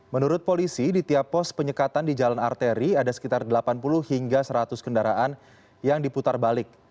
menurut polisi di tiap pos penyekatan di jalan arteri ada sekitar delapan puluh hingga seratus kendaraan yang diputar balik